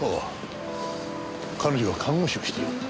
彼女は看護師をしている。